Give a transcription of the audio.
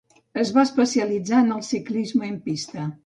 Es va especialitzar en el ciclisme en pista.